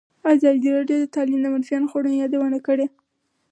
ازادي راډیو د تعلیم د منفي اړخونو یادونه کړې.